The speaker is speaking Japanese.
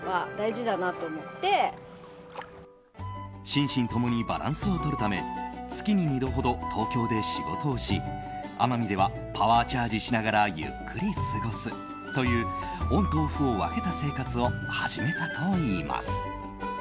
心身共にバランスをとるため月に２度ほど東京で仕事をし奄美ではパワーチャージしながらゆっくり過ごすというオンとオフを分けた生活を始めたといいます。